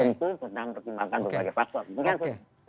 jadi kita harus senang berkembangkan sebagai faktor